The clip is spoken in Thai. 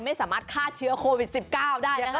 ไม่สามารถฆ่าเชื้อโควิด๑๙ได้นะคะ